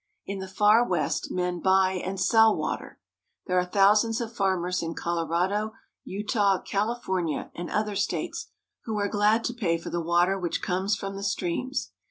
In the far West men buy and sell water. There are thousands of farmers in Colorado, Utah, California, and other states who are glad to pay for the water which comes from the streams.